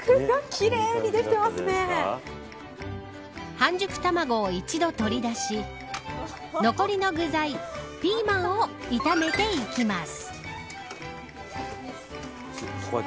半熟卵を一度取り出し残りの具材ピーマンを炒めていきます。